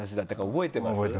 覚えてますよ。